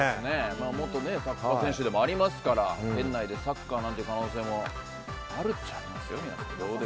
元サッカー選手でもありますから、店内でサッカーなんていう可能性もあるっちゃありますよね。